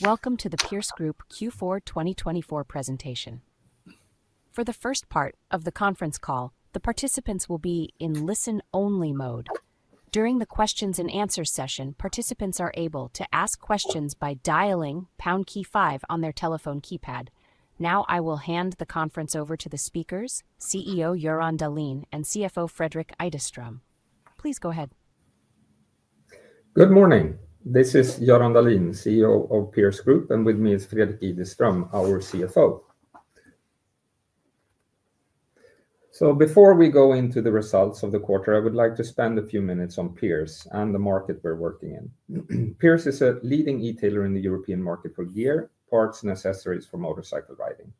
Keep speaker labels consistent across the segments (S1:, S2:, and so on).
S1: Welcome to the Pierce Group Q4 2024 presentation. For the first part of the conference call, the participants will be in listen-only mode. During the Q&A session, participants are able to ask questions by dialing #5 on their telephone keypad. Now I will hand the conference over to the speakers, CEO Göran Dahlin and CFO Fredrik Ideström. Please go ahead.
S2: Good morning. This is Göran Dahlin, CEO of Pierce Group, and with me is Fredrik Ideström, our CFO. Before we go into the results of the quarter, I would like to spend a few minutes on Pierce and the market we're working in. Pierce is a leading e-tailer in the European market for gear, parts, and accessories for motorcycle riding.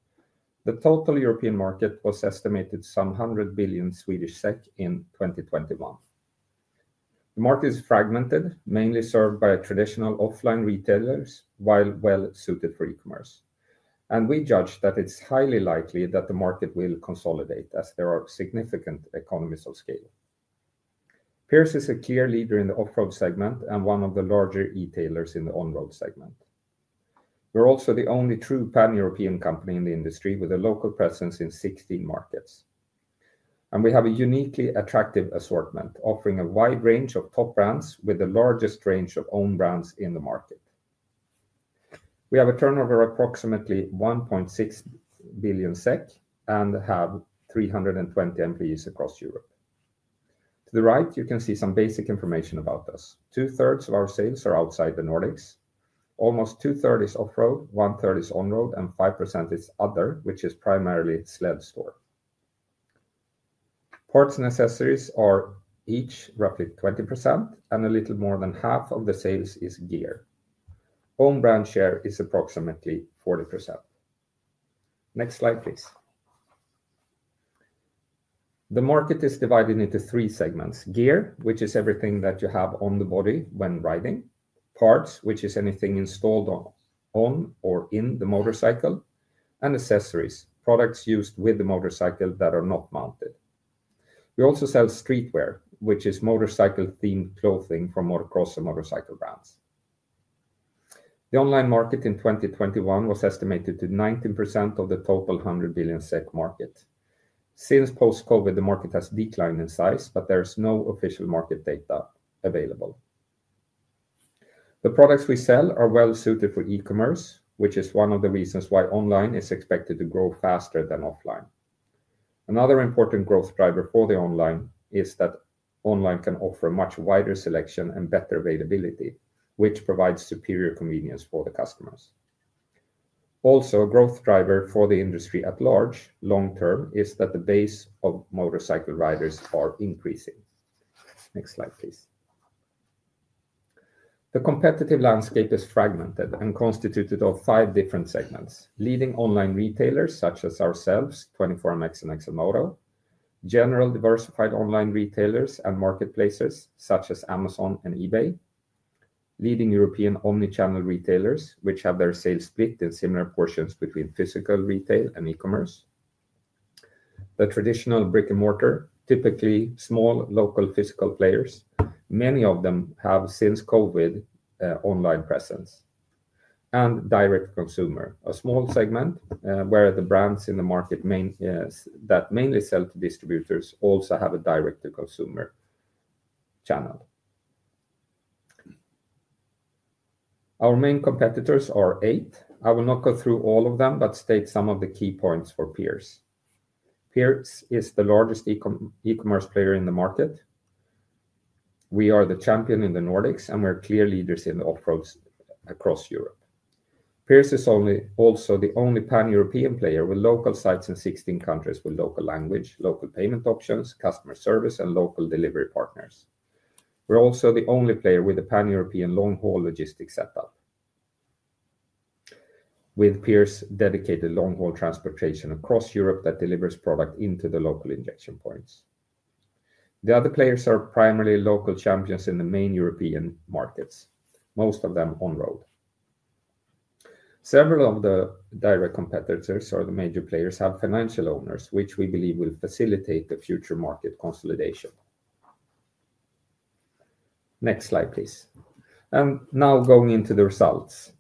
S2: The total European market was estimated at 100 billion Swedish SEK in 2021. The market is fragmented, mainly served by traditional offline retailers, while well suited for e-commerce. We judge that it is highly likely that the market will consolidate, as there are significant economies of scale. Pierce is a clear leader in the off-road segment and one of the larger e-tailers in the on-road segment. We are also the only true pan-European company in the industry, with a local presence in 16 markets. We have a uniquely attractive assortment, offering a wide range of top brands, with the largest range of owned brands in the market. We have a turnover of approximately 1.6 billion SEK and have 320 employees across Europe. To the right, you can see some basic information about us. Two-thirds of our sales are outside the Nordics. Almost two-thirds is off-road, one-third is on-road, and 5% is other, which is primarily Sledstore. Parts and accessories are each roughly 20%, and a little more than half of the sales is gear. Owned brand share is approximately 40%. Next slide, please. The market is divided into three segments: gear, which is everything that you have on the body when riding; parts, which is anything installed on or in the motorcycle; and accessories, products used with the motorcycle that are not mounted. We also sell streetwear, which is motorcycle-themed clothing from motocross and motorcycle brands. The online market in 2021 was estimated to 19% of the total 100 billion SEK market. Since post-COVID, the market has declined in size, but there is no official market data available. The products we sell are well suited for e-commerce, which is one of the reasons why online is expected to grow faster than offline. Another important growth driver for the online is that online can offer a much wider selection and better availability, which provides superior convenience for the customers. Also, a growth driver for the industry at large, long-term, is that the base of motorcycle riders are increasing. Next slide, please. The competitive landscape is fragmented and constituted of five different segments: leading online retailers, such as ourselves, 24MX and XLMOTO; general diversified online retailers and marketplaces, such as Amazon and eBay; leading European omnichannel retailers, which have their sales split in similar portions between physical retail and e-commerce; the traditional brick-and-mortar, typically small local physical players, many of them have since COVID online presence; and direct-to-consumer, a small segment where the brands in the market that mainly sell to distributors also have a direct-to-consumer channel. Our main competitors are eight. I will not go through all of them, but state some of the key points for Pierce. Pierce is the largest e-commerce player in the market. We are the champion in the Nordics, and we're clear leaders in the off-roads across Europe. Pierce is also the only pan-European player with local sites in 16 countries, with local language, local payment options, customer service, and local delivery partners. We are also the only player with a pan-European long-haul logistics setup, with Pierce dedicated long-haul transportation across Europe that delivers product into the local injection points. The other players are primarily local champions in the main European markets, most of them on-road. Several of the direct competitors or the major players have financial owners, which we believe will facilitate the future market consolidation. Next slide, please. Now going into the results.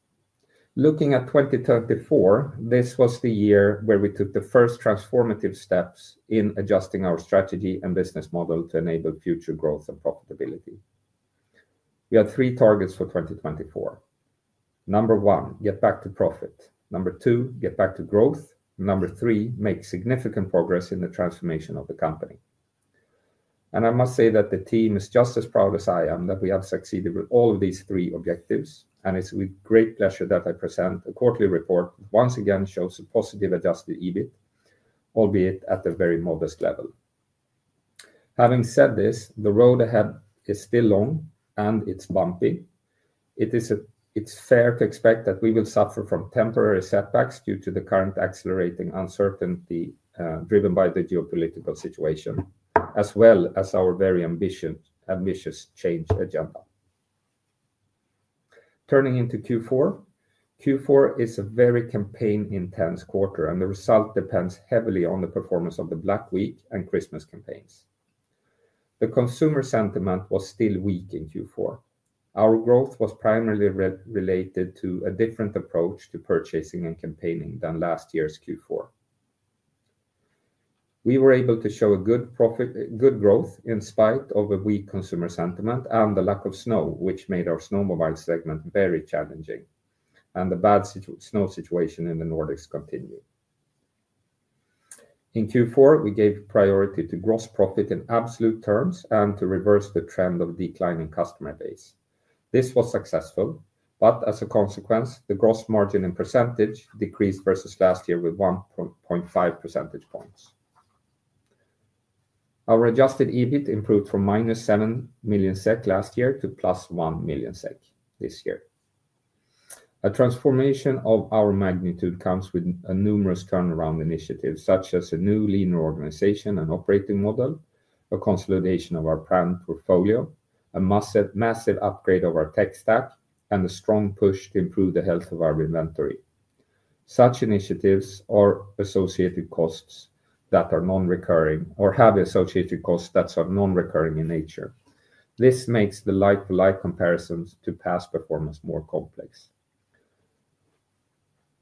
S2: Looking at 2024, this was the year where we took the first transformative steps in adjusting our strategy and business model to enable future growth and profitability. We had three targets for 2024. Number one, get back to profit. Number two, get back to growth. Number three, make significant progress in the transformation of the company. I must say that the team is just as proud as I am that we have succeeded with all of these three objectives. It is with great pleasure that I present a quarterly report that once again shows a positive adjusted EBIT, albeit at a very modest level. Having said this, the road ahead is still long, and it is bumpy. It is fair to expect that we will suffer from temporary setbacks due to the current accelerating uncertainty driven by the geopolitical situation, as well as our very ambitious change agenda. Turning into Q4, Q4 is a very campaign-intense quarter, and the result depends heavily on the performance of the Black Week and Christmas campaigns. The consumer sentiment was still weak in Q4. Our growth was primarily related to a different approach to purchasing and campaigning than last year's Q4. We were able to show a good growth in spite of a weak consumer sentiment and the lack of snow, which made our snowmobile segment very challenging. The bad snow situation in the Nordics continued. In Q4, we gave priority to gross profit in absolute terms and to reverse the trend of declining customer base. This was successful, but as a consequence, the gross margin in percentage decreased versus last year with 1.5 percentage points. Our adjusted EBIT improved from minus 7 million SEK last year to plus 1 million SEK this year. A transformation of our magnitude comes with numerous turnaround initiatives, such as a new leaner organization and operating model, a consolidation of our brand portfolio, a massive upgrade of our tech stack, and a strong push to improve the health of our inventory. Such initiatives are associated costs that are non-recurring or have associated costs that are non-recurring in nature. This makes the like-to-like comparisons to past performance more complex.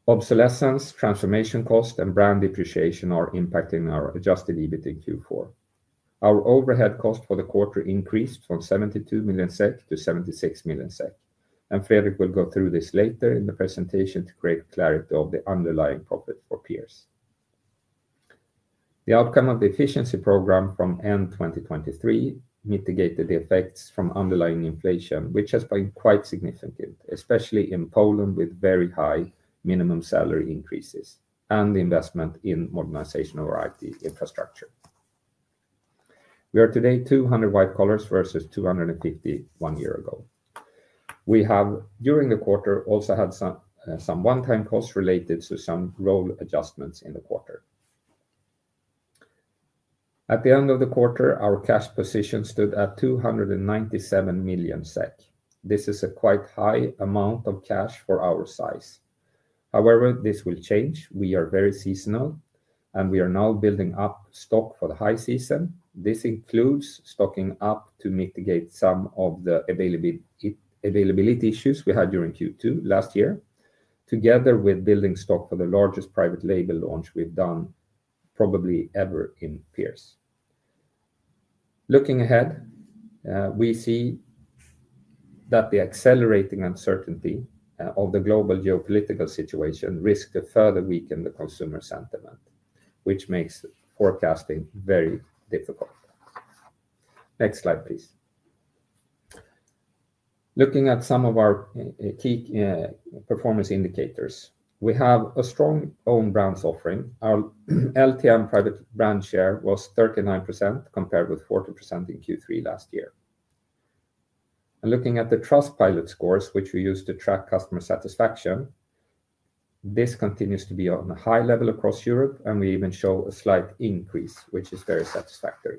S2: Obsolescence, transformation cost, and brand depreciation are impacting our adjusted EBIT in Q4. Our overhead cost for the quarter increased from 72 million SEK to 76 million SEK. Fredrik will go through this later in the presentation to create clarity of the underlying profit for Pierce. The outcome of the efficiency program from end 2023 mitigated the effects from underlying inflation, which has been quite significant, especially in Poland with very high minimum salary increases and the investment in modernization of our IT infrastructure. We are today 200 white-collars versus 250 one year ago. We have, during the quarter, also had some one-time costs related to some role adjustments in the quarter. At the end of the quarter, our cash position stood at 297 million SEK. This is a quite high amount of cash for our size. However, this will change. We are very seasonal, and we are now building up stock for the high season. This includes stocking up to mitigate some of the availability issues we had during Q2 last year, together with building stock for the largest private label launch we've done probably ever in Pierce. Looking ahead, we see that the accelerating uncertainty of the global geopolitical situation risks to further weaken the consumer sentiment, which makes forecasting very difficult. Next slide, please. Looking at some of our key performance indicators, we have a strong owned brands offering. Our LTM private brand share was 39% compared with 40% in Q3 last year. Looking at the Trustpilot scores, which we use to track customer satisfaction, this continues to be on a high level across Europe, and we even show a slight increase, which is very satisfactory.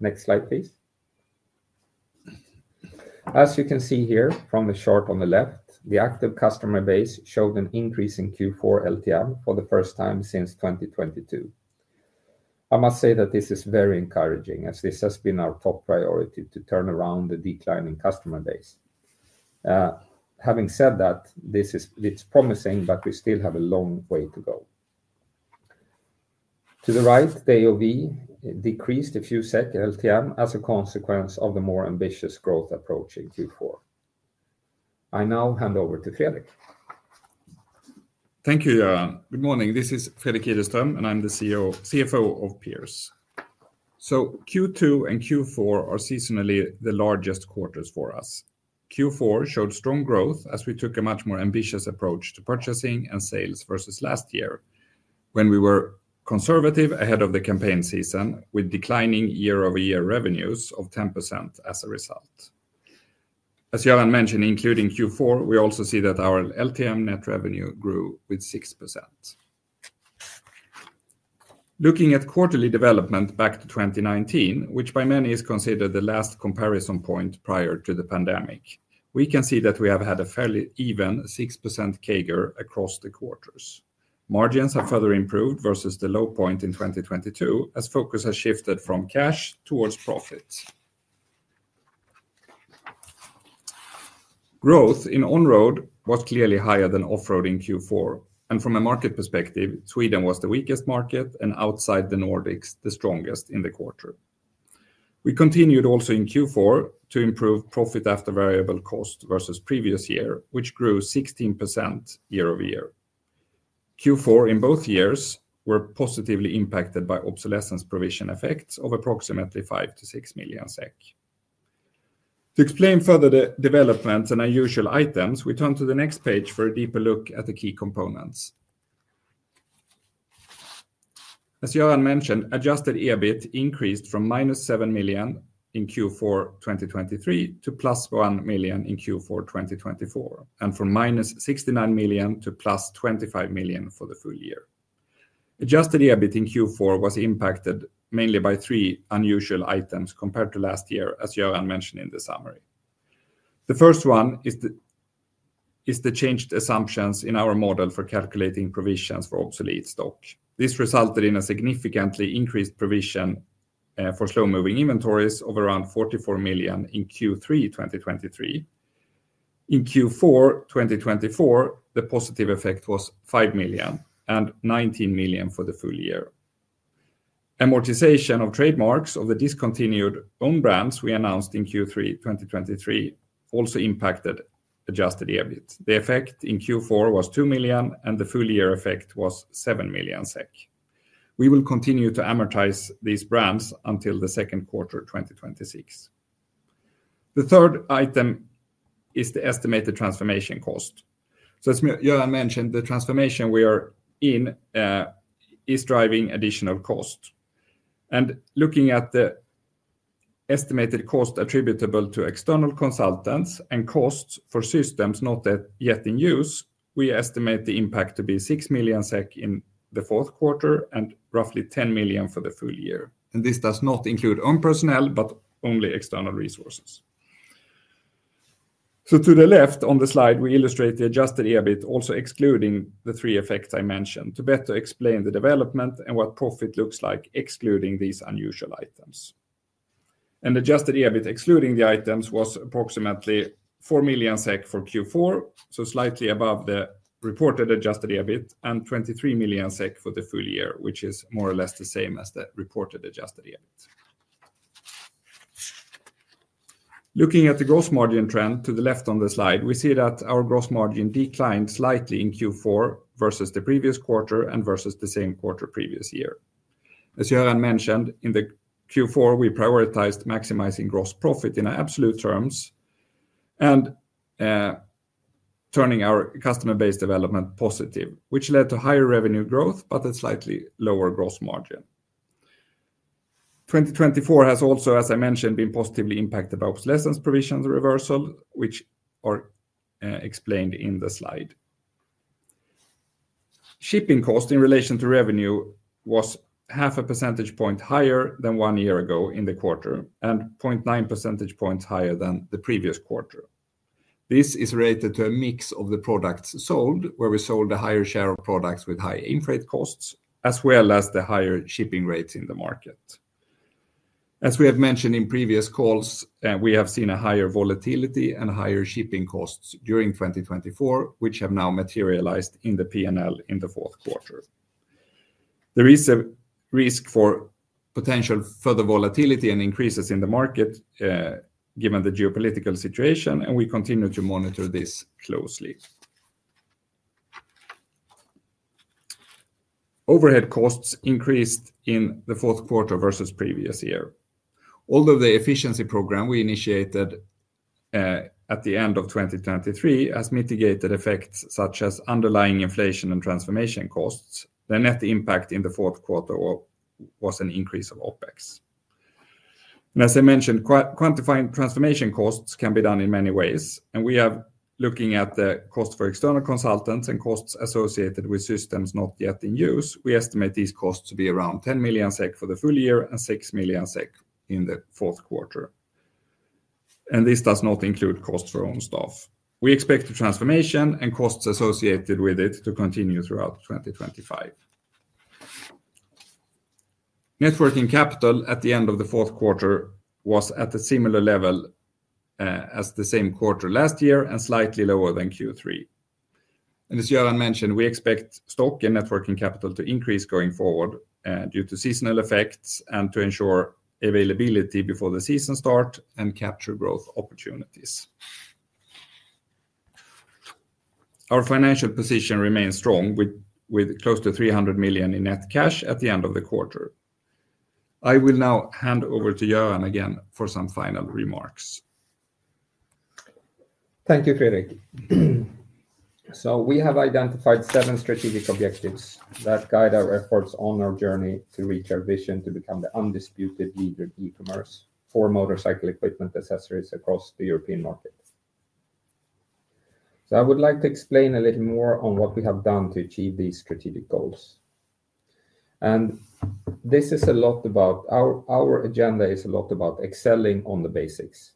S2: Next slide, please. As you can see here from the chart on the left, the active customer base showed an increase in Q4 LTM for the first time since 2022. I must say that this is very encouraging, as this has been our top priority to turn around the declining customer base. Having said that, it's promising, but we still have a long way to go. To the right, the AOV decreased a few SEK LTM as a consequence of the more ambitious growth approach in Q4. I now hand over to Fredrik.
S3: Thank you, Göran. Good morning. This is Fredrik Ideström, and I'm the CFO of Pierce. Q2 and Q4 are seasonally the largest quarters for us. Q4 showed strong growth as we took a much more ambitious approach to purchasing and sales versus last year, when we were conservative ahead of the campaign season with declining year-over-year revenues of 10% as a result. As Göran mentioned, including Q4, we also see that our LTM net revenue grew with 6%. Looking at quarterly development back to 2019, which by many is considered the last comparison point prior to the pandemic, we can see that we have had a fairly even 6% CAGR across the quarters. Margins have further improved versus the low point in 2022, as focus has shifted from cash towards profits. Growth in on-road was clearly higher than off-road in Q4. From a market perspective, Sweden was the weakest market and outside the Nordics, the strongest in the quarter. We continued also in Q4 to improve profit after variable cost versus previous year, which grew 16% year-over-year. Q4 in both years were positively impacted by obsolescence provision effects of approximately 5-6 million SEK. To explain further the developments and unusual items, we turn to the next page for a deeper look at the key components. As Joran mentioned, adjusted EBIT increased from minus 7 million in Q4 2023 to plus 1 million in Q4 2024, and from minus 69 million to plus 25 million for the full year. Adjusted EBIT in Q4 was impacted mainly by three unusual items compared to last year, as Joran mentioned in the summary. The first one is the changed assumptions in our model for calculating provisions for obsolete stock. This resulted in a significantly increased provision for slow-moving inventories of around 44 million in Q3 2023. In Q4 2024, the positive effect was 5 million and 19 million for the full year. Amortization of trademarks of the discontinued owned brands we announced in Q3 2023 also impacted adjusted EBIT. The effect in Q4 was 2 million, and the full-year effect was 7 million SEK. We will continue to amortize these brands until the second quarter 2026. The third item is the estimated transformation cost. As Joran mentioned, the transformation we are in is driving additional cost. Looking at the estimated cost attributable to external consultants and costs for systems not yet in use, we estimate the impact to be 6 million SEK in the fourth quarter and roughly 10 million for the full year. This does not include owned personnel, but only external resources. To the left on the slide, we illustrate the adjusted EBIT, also excluding the three effects I mentioned, to better explain the development and what profit looks like excluding these unusual items. Adjusted EBIT excluding the items was approximately 4 million SEK for Q4, so slightly above the reported adjusted EBIT, and 23 million SEK for the full year, which is more or less the same as the reported adjusted EBIT. Looking at the gross margin trend to the left on the slide, we see that our gross margin declined slightly in Q4 versus the previous quarter and versus the same quarter previous year. As Joran mentioned, in Q4, we prioritized maximizing gross profit in absolute terms and turning our customer base development positive, which led to higher revenue growth, but a slightly lower gross margin. 2024 has also, as I mentioned, been positively impacted by obsolescence provisions reversal, which are explained in the slide. Shipping cost in relation to revenue was half a percentage point higher than one year ago in the quarter and 0.9 percentage points higher than the previous quarter. This is related to a mix of the products sold, where we sold a higher share of products with high freight costs, as well as the higher shipping rates in the market. As we have mentioned in previous calls, we have seen a higher volatility and higher shipping costs during 2024, which have now materialized in the P&L in the fourth quarter. There is a risk for potential further volatility and increases in the market given the geopolitical situation, and we continue to monitor this closely. Overhead costs increased in the fourth quarter versus previous year. Although the efficiency program we initiated at the end of 2023 has mitigated effects such as underlying inflation and transformation costs, the net impact in the fourth quarter was an increase of OPEX. As I mentioned, quantifying transformation costs can be done in many ways. We have, looking at the cost for external consultants and costs associated with systems not yet in use, we estimate these costs to be around 10 million SEK for the full year and 6 million SEK in the fourth quarter. This does not include cost for owned staff. We expect the transformation and costs associated with it to continue throughout 2025. Networking capital at the end of the fourth quarter was at a similar level as the same quarter last year and slightly lower than Q3. As Göran mentioned, we expect stock and net working capital to increase going forward due to seasonal effects and to ensure availability before the season start and capture growth opportunities. Our financial position remains strong with close to 300 million in net cash at the end of the quarter. I will now hand over to Göran again for some final remarks.
S2: Thank you, Fredrik. We have identified seven strategic objectives that guide our efforts on our journey to reach our vision to become the undisputed leader in e-commerce for motorcycle equipment accessories across the European market. I would like to explain a little more on what we have done to achieve these strategic goals. This is a lot about our agenda, it is a lot about excelling on the basics.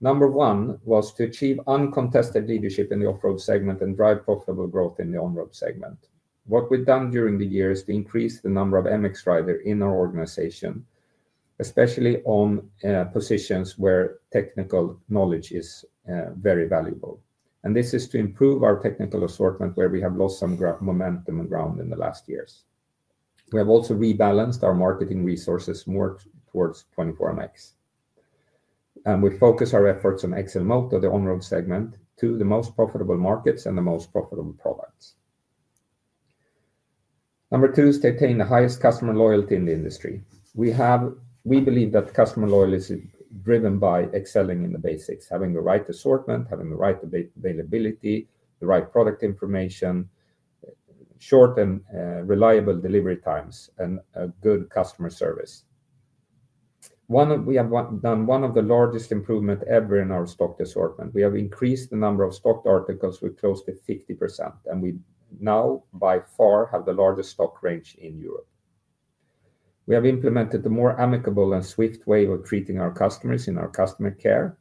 S2: Number one was to achieve uncontested leadership in the off-road segment and drive profitable growth in the on-road segment. What we have done during the year is to increase the number of MX riders in our organization, especially in positions where technical knowledge is very valuable. This is to improve our technical assortment, where we have lost some momentum and ground in the last years. We have also rebalanced our marketing resources more towards 24MX. We focus our efforts on XLMOTO, the on-road segment, to the most profitable markets and the most profitable products. Number two is to attain the highest customer loyalty in the industry. We believe that customer loyalty is driven by excelling in the basics, having the right assortment, having the right availability, the right product information, short and reliable delivery times, and good customer service. We have done one of the largest improvements ever in our stock assortment. We have increased the number of stocked articles with close to 50%, and we now by far have the largest stock range in Europe. We have implemented the more amicable and swift way of treating our customers in our customer care.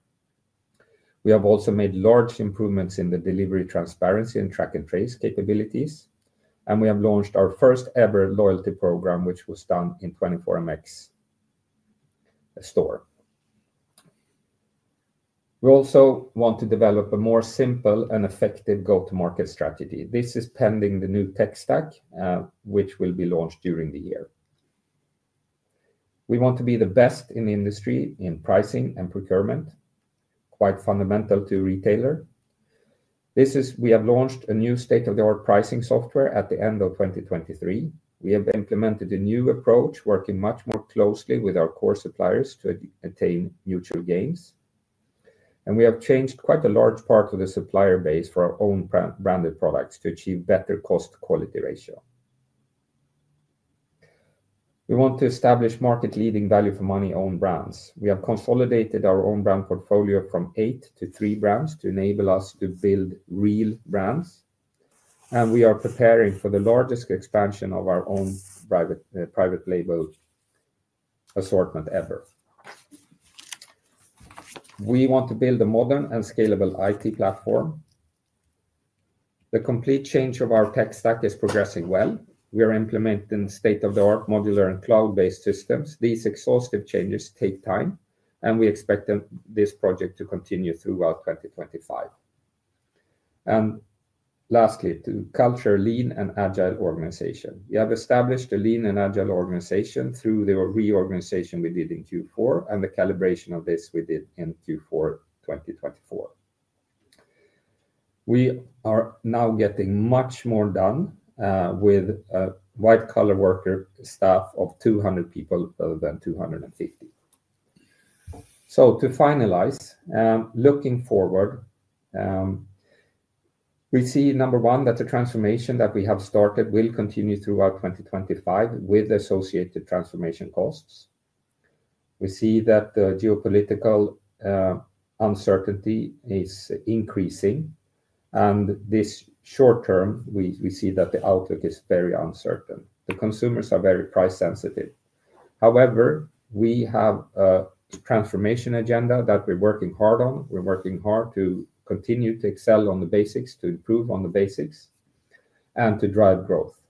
S2: We have also made large improvements in the delivery transparency and track and trace capabilities. We have launched our first-ever loyalty program, which was done in the 24MX store. We also want to develop a more simple and effective go-to-market strategy. This is pending the new tech stack, which will be launched during the year. We want to be the best in the industry in pricing and procurement, quite fundamental to retailer. We have launched a new state-of-the-art pricing software at the end of 2023. We have implemented a new approach, working much more closely with our core suppliers to attain mutual gains. We have changed quite a large part of the supplier base for our own branded products to achieve better cost-quality ratio. We want to establish market-leading value-for-money owned brands. We have consolidated our own brand portfolio from eight to three brands to enable us to build real brands. We are preparing for the largest expansion of our own private label assortment ever. We want to build a modern and scalable IT platform. The complete change of our tech stack is progressing well. We are implementing state-of-the-art modular and cloud-based systems. These exhaustive changes take time, and we expect this project to continue throughout 2025. Lastly, to culture lean and agile organization. We have established a lean and agile organization through the reorganization we did in Q4 and the calibration of this we did in Q4 2024. We are now getting much more done with a white-collar worker staff of 200 people rather than 250. To finalize, looking forward, we see number one, that the transformation that we have started will continue throughout 2025 with associated transformation costs. We see that the geopolitical uncertainty is increasing. In the short term, we see that the outlook is very uncertain. The consumers are very price sensitive. However, we have a transformation agenda that we're working hard on. are working hard to continue to excel on the basics, to improve on the basics, and to drive growth.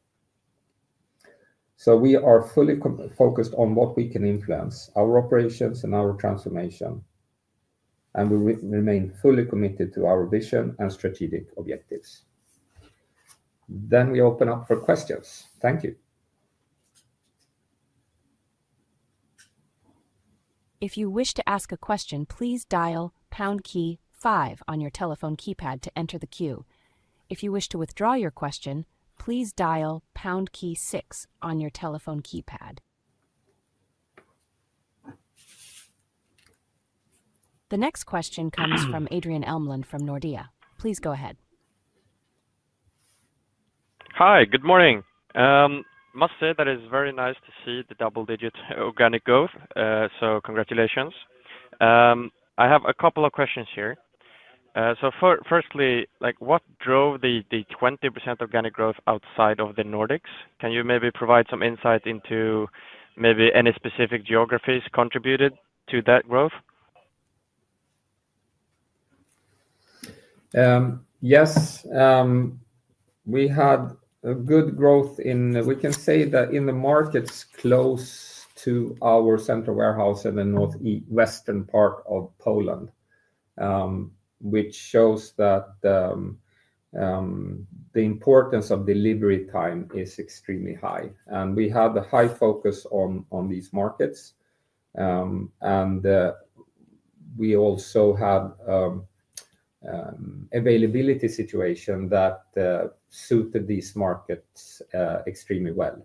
S2: We are fully focused on what we can influence, our operations and our transformation. We remain fully committed to our vision and strategic objectives. We open up for questions. Thank you.
S1: If you wish to ask a question, please dial pound key five on your telephone keypad to enter the queue. If you wish to withdraw your question, please dial pound key six on your telephone keypad. The next question comes from Adrian Elmlund from Nordea. Please go ahead.
S4: Hi, good morning. I must say that it is very nice to see the double-digit organic growth. Congratulations. I have a couple of questions here. Firstly, what drove the 20% organic growth outside of the Nordics? Can you maybe provide some insight into maybe any specific geographies contributed to that growth?
S2: Yes. We had good growth in, we can say that in the markets close to our central warehouse in the northwestern part of Poland, which shows that the importance of delivery time is extremely high. We had a high focus on these markets. We also had availability situation that suited these markets extremely well.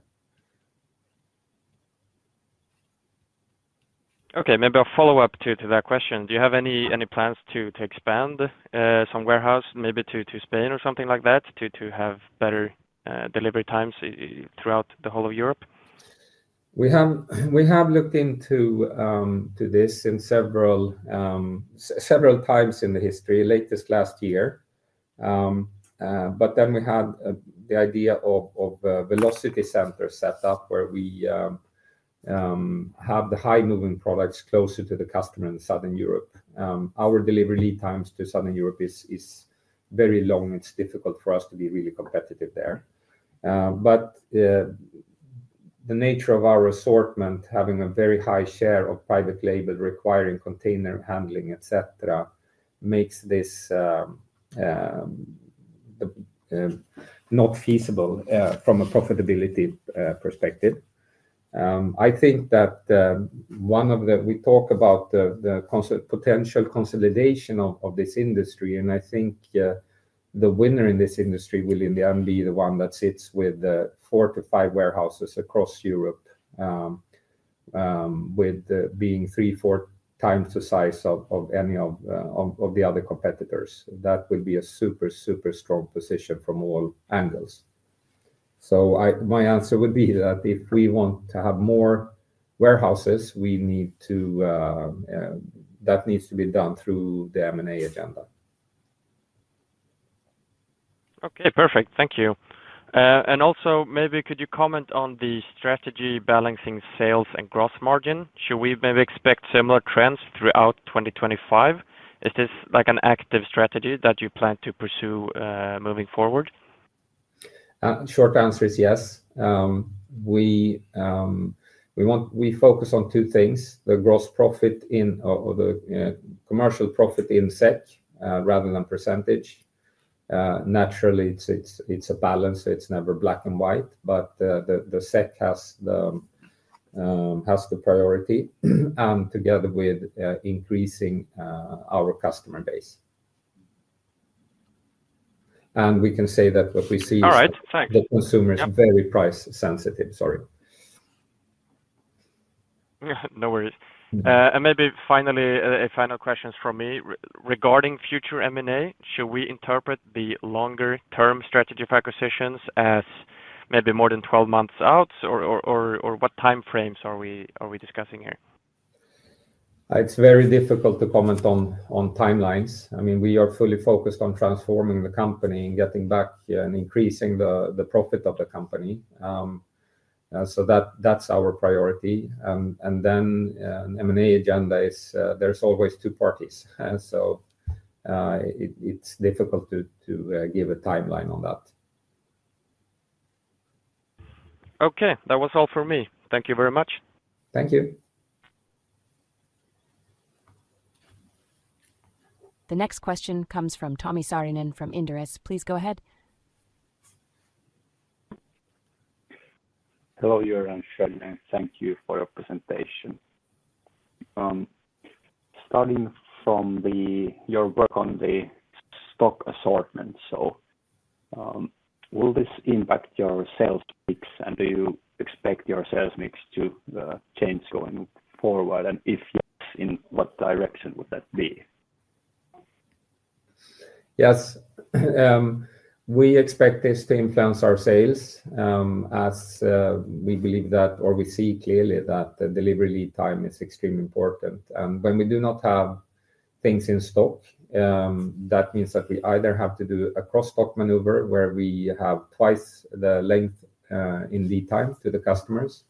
S4: Okay, maybe a follow-up to that question. Do you have any plans to expand some warehouse, maybe to Spain or something like that, to have better delivery times throughout the whole of Europe?
S2: We have looked into this several times in the history, latest last year. Then we had the idea of velocity centers set up where we have the high-moving products closer to the customer in Southern Europe. Our delivery lead times to Southern Europe is very long. It is difficult for us to be really competitive there. The nature of our assortment, having a very high share of private label requiring container handling, etc., makes this not feasible from a profitability perspective. I think that one of the, we talk about the potential consolidation of this industry, and I think the winner in this industry will in the end be the one that sits with four to five warehouses across Europe, with being three-four times the size of any of the other competitors. That would be a super, super strong position from all angles. My answer would be that if we want to have more warehouses, we need to, that needs to be done through the M&A agenda.
S4: Okay, perfect. Thank you. Also, maybe could you comment on the strategy balancing sales and gross margin? Should we maybe expect similar trends throughout 2025? Is this like an active strategy that you plan to pursue moving forward?
S2: Short answer is yes. We focus on two things, the gross profit in or the commercial profit in SEK rather than percentage. Naturally, it's a balance. It's never black and white, but the SEK has the priority and together with increasing our customer base. We can say that what we see is.
S4: All right, thanks.
S2: The consumer is very price sensitive. Sorry.
S4: No worries. Maybe finally, a final question from me regarding future M&A. Should we interpret the longer-term strategy of acquisitions as maybe more than 12 months out, or what time frames are we discussing here?
S2: It's very difficult to comment on timelines. I mean, we are fully focused on transforming the company and getting back and increasing the profit of the company. That's our priority. The M&A agenda is there's always two parties. It's difficult to give a timeline on that.
S4: Okay, that was all for me. Thank you very much.
S2: Thank you.
S1: The next question comes from Tommi Saarinen from Inderes. Please go ahead.
S5: Hello, Göran Dahlin. Thank you for your presentation. Starting from your work on the stock assortment, will this impact your sales mix? Do you expect your sales mix to change going forward? If yes, in what direction would that be?
S2: Yes. We expect this to influence our sales as we believe that, or we see clearly that the delivery lead time is extremely important. When we do not have things in stock, that means that we either have to do a cross-dock maneuver where we have twice the length in lead time to the customers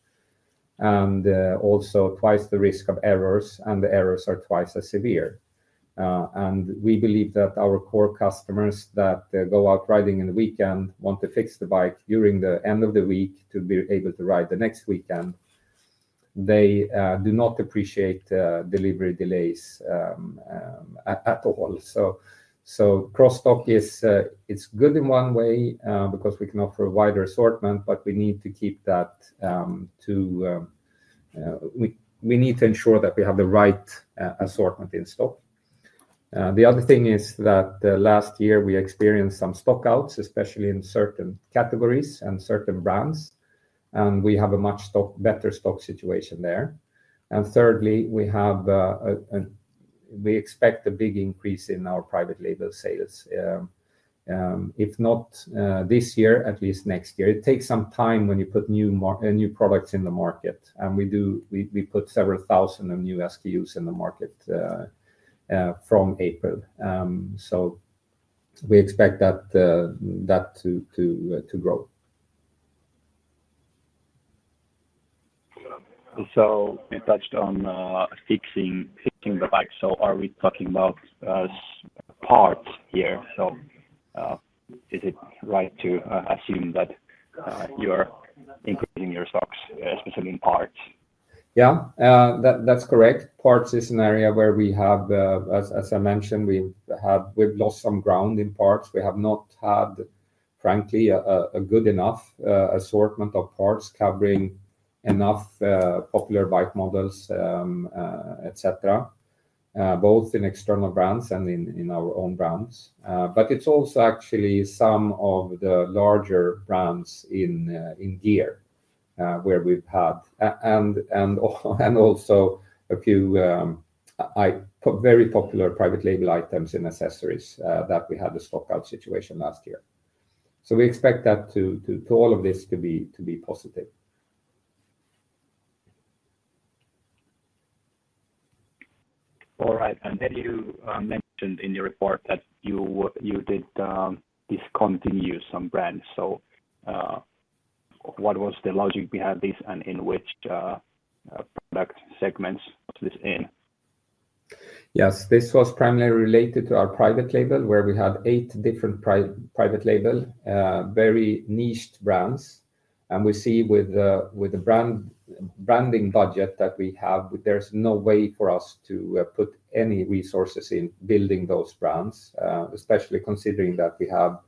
S2: and also twice the risk of errors, and the errors are twice as severe. We believe that our core customers that go out riding in the weekend want to fix the bike during the end of the week to be able to ride the next weekend. They do not appreciate delivery delays at all. Cross-dock is good in one way because we can offer a wider assortment, but we need to keep that to we need to ensure that we have the right assortment in stock. The other thing is that last year we experienced some stockouts, especially in certain categories and certain brands. We have a much better stock situation there. Thirdly, we expect a big increase in our private label sales. If not this year, at least next year. It takes some time when you put new products in the market. We put several thousand new SKUs in the market from April. We expect that to grow.
S5: You touched on fixing the bike. Are we talking about parts here? Is it right to assume that you're increasing your stocks, especially in parts?
S2: Yeah, that's correct. Parts is an area where we have, as I mentioned, we've lost some ground in parts. We have not had, frankly, a good enough assortment of parts covering enough popular bike models, etc., both in external brands and in our own brands. It's also actually some of the larger brands in gear where we've had, and also a few very popular private label items and accessories that we had a stockout situation last year. We expect that all of this to be positive.
S5: All right. You mentioned in your report that you did discontinue some brands. What was the logic behind this and in which product segments was this in?
S2: Yes, this was primarily related to our private label where we had eight different private label, very niched brands. We see with the branding budget that we have, there's no way for us to put any resources in building those brands, especially considering that we have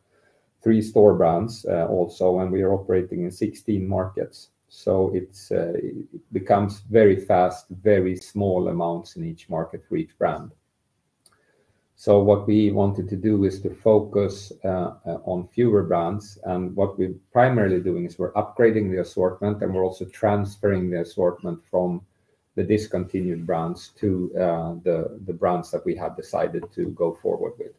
S2: three store brands also, and we are operating in 16 markets. It becomes very fast, very small amounts in each market for each brand. What we wanted to do is to focus on fewer brands. What we're primarily doing is we're upgrading the assortment, and we're also transferring the assortment from the discontinued brands to the brands that we have decided to go forward with.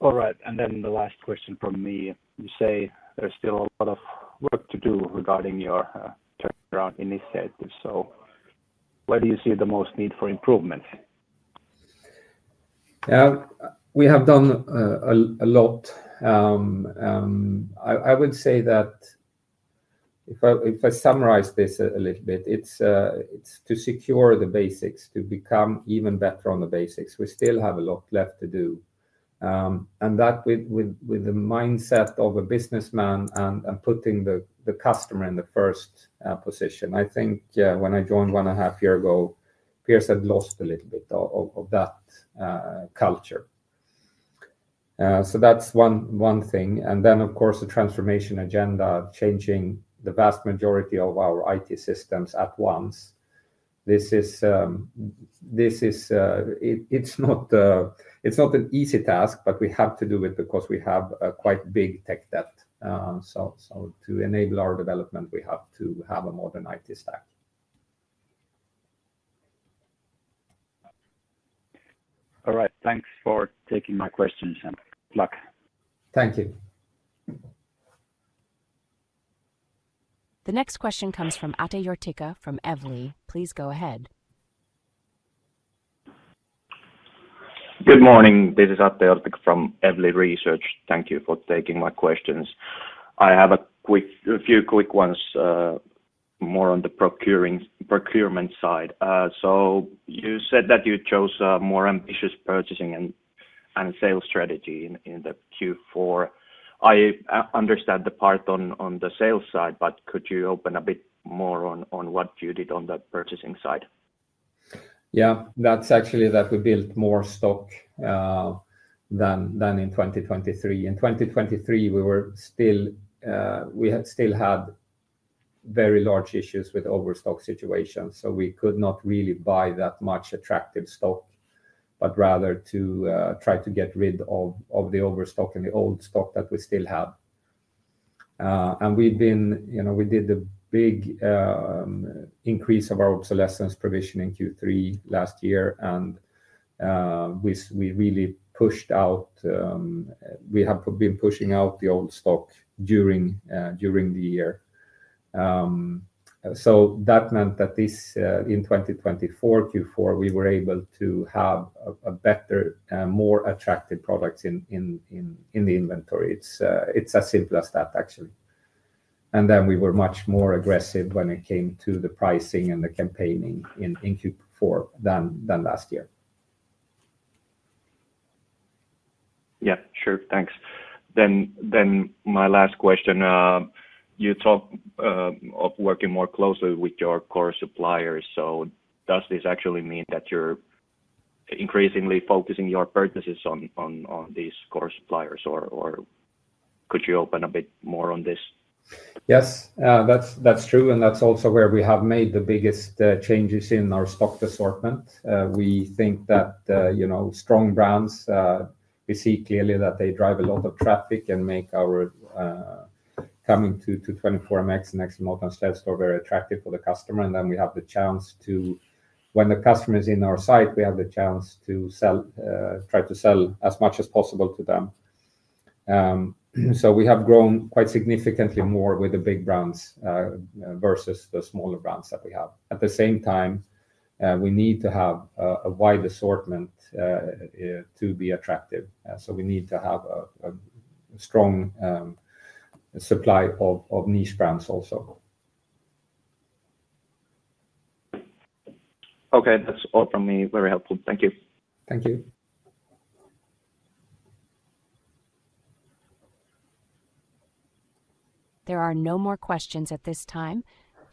S5: All right. The last question from me. You say there's still a lot of work to do regarding your turnaround initiative. Where do you see the most need for improvement?
S2: We have done a lot. I would say that if I summarize this a little bit, it's to secure the basics, to become even better on the basics. We still have a lot left to do. That with the mindset of a businessman and putting the customer in the first position. I think when I joined one and a half years ago, Pierce had lost a little bit of that culture. That is one thing. Of course, the transformation agenda, changing the vast majority of our IT systems at once. It's not an easy task, but we have to do it because we have quite big tech debt. To enable our development, we have to have a modern IT stack.
S5: All right. Thanks for taking my questions. Good luck.
S2: Thank you.
S1: The next question comes from Atey Ortega from Evli. Please go ahead.
S6: Good morning. This is Atey Ortega from Evli Research. Thank you for taking my questions. I have a few quick ones more on the procurement side. You said that you chose a more ambitious purchasing and sales strategy in Q4. I understand the part on the sales side, but could you open a bit more on what you did on the purchasing side?
S2: Yeah, that's actually that we built more stock than in 2023. In 2023, we still had very large issues with overstock situations. We could not really buy that much attractive stock, but rather to try to get rid of the overstock and the old stock that we still have. We did a big increase of our obsolescence provision in Q3 last year. We really pushed out, we have been pushing out the old stock during the year. That meant that in 2024, Q4, we were able to have better, more attractive products in the inventory. It's as simple as that, actually. We were much more aggressive when it came to the pricing and the campaigning in Q4 than last year.
S6: Yeah, sure. Thanks. My last question. You talked of working more closely with your core suppliers. Does this actually mean that you're increasingly focusing your purchases on these core suppliers? Could you open a bit more on this?
S2: Yes, that's true. That is also where we have made the biggest changes in our stock assortment. We think that strong brands, we see clearly that they drive a lot of traffic and make our coming to 24MX and XLMOTO and Sledstore very attractive for the customer. When the customer is in our site, we have the chance to try to sell as much as possible to them. We have grown quite significantly more with the big brands versus the smaller brands that we have. At the same time, we need to have a wide assortment to be attractive. We need to have a strong supply of niche brands also.
S6: Okay, that's all from me. Very helpful. Thank you.
S2: Thank you.
S1: There are no more questions at this time.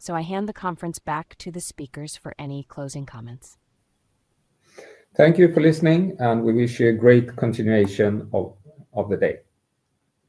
S1: I hand the conference back to the speakers for any closing comments.
S2: Thank you for listening, and we wish you a great continuation of the day.